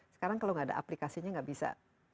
sekarang kalau nggak ada aplikasinya nggak bisa